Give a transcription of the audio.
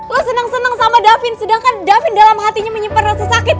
lo senang senang sama davin sedangkan davin dalam hatinya menyimpan rasa sakit